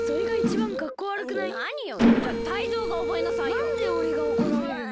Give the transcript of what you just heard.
なんでおれがおこられるの？